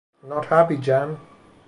Not happy, Jan!